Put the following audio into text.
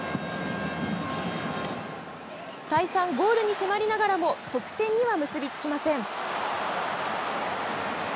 再三、ゴールに迫りながらも、得点には結び付きません。